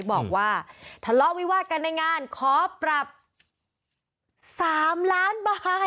บอกว่าทะเลาะวิวาดกันในงานขอปรับ๓ล้านบาท